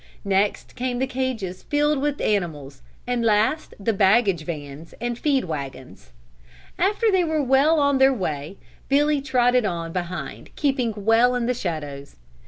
Next came the cages filled with animals and last the baggage vans and feed wagons. After they were well on their way Billy trotted on behind keeping well in the shadows.